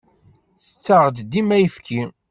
Tettaɣ-d dima ayefki.